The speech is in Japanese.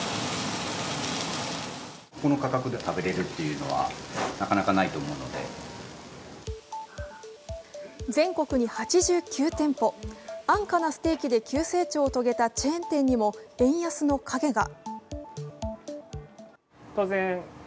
その円安は更に進み、水曜日、全国に８９店舗、安価なステーキで急成長を遂げたチェーン店にも円安の影が。